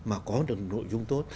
mà có được một cái nội dung tốt